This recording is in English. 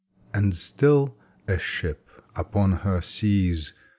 And still, a ship upon her seas.